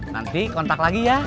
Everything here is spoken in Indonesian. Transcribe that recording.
nanti kontak lagi ya